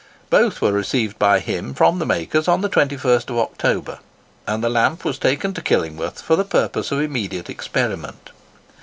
Both were received by him from the makers on the 21st October, and the lamp was taken to Killingworth for the purpose of immediate experiment.